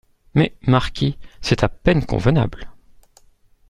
Mais, marquis, c'est à peine convenable.